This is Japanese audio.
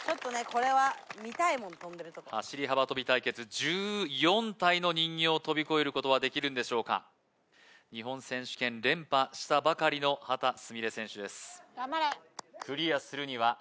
これは見たいもん跳んでるとこ走り幅跳び対決１４体の人形を跳び越えることはできるんでしょうか日本選手権連覇したばかりの秦澄美鈴選手です